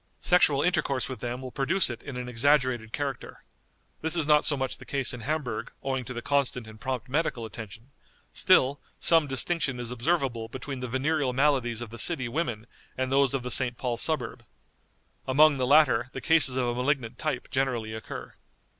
Sexual intercourse with them will produce it in an exaggerated character. This is not so much the case in Hamburg, owing to the constant and prompt medical attention; still, some distinction is observable between the venereal maladies of the city women and those of the St. Paul Suburb. Among the latter the cases of a malignant type generally occur."